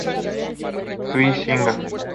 The Signal.